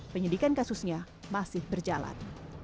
penyidikan kasusnya masih berjalan